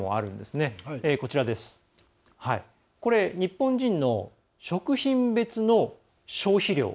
これ、日本人の食品別の消費量。